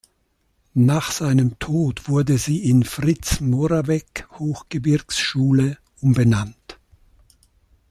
Nach seinem Tod wurde sie in "Fritz-Moravec-Hochgebirgsschule" umbenannt.